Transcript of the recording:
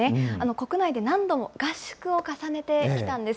国内で何度も合宿を重ねてきたんです。